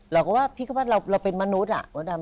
เราก็ว่าพี่คิดว่าเราเป็นมนุษย์อะ